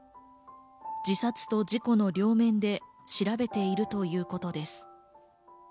自殺と事故の両面で調べているということです。